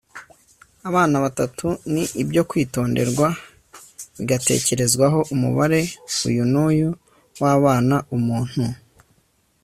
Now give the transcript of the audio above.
abana batatu ni ibyo kwitonderwa bigatekerezwaho ; umubare uyu n'uyu w'abana umuntu